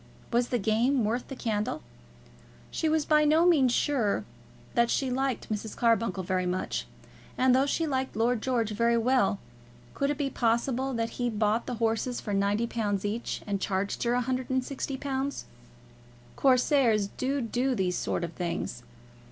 Was the game worth the candle? She was by no means sure that she liked Mrs. Carbuncle very much. And though she liked Lord George very well, could it be possible that he bought the horses for £90 each and charged her £160? Corsairs do do these sort of things.